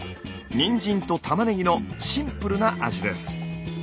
にんじんと玉ねぎのシンプルな味です。